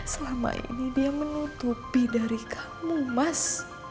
selama ini dia menutupi dari kamu mas